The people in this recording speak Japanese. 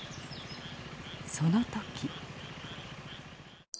その時。